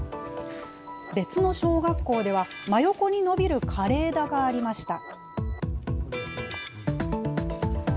別の小学校でも真横に伸びる枯れ枝がありました。